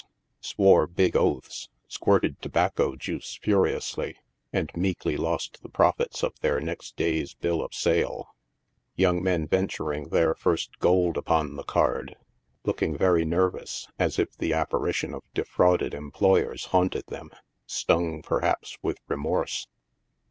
s a ore big oaths, squirted tobacco juice furiously, and meekly lost the profits of their next day's bill of sale— young men venturing their first gold upon the card— looking very nervous, as if the apparition of defraudod employers haunted them — stung, perhaps, with remorse.